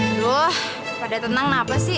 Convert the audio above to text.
aduh pada tenang kenapa sih